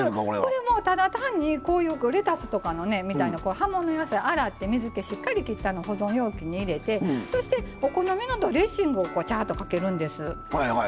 これもうただ単にこういうレタスとかのね葉物野菜洗って水けしっかりきって保存容器に入れてそしてお好みのドレッシングをチャーッとかけるんです。